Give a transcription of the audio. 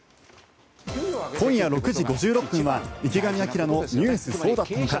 今夜６時５６分は「池上彰のニュースそうだったのか！！」。